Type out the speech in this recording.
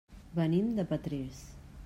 Venim de Petrés.